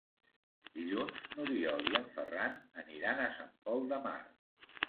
Dilluns n'Oriol i en Ferran aniran a Sant Pol de Mar.